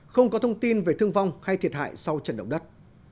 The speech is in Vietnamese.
không có thông tin về thương vong hay thiệt hại sau trận động đất